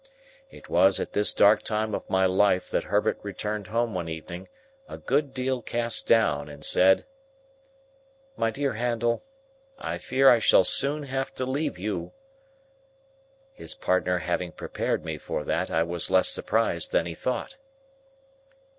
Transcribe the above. It was at this dark time of my life that Herbert returned home one evening, a good deal cast down, and said,— "My dear Handel, I fear I shall soon have to leave you." His partner having prepared me for that, I was less surprised than he thought.